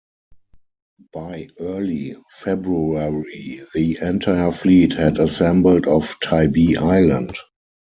By early February the entire fleet had assembled off Tybee Island.